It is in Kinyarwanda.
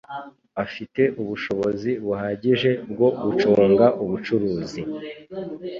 Afite ubushobozi buhagije bwo gucunga ubucuruzi.